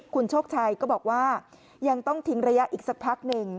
คุณโชคชัยก็บอกว่ายังต้องทิ้งระยะอีกสักพักหนึ่ง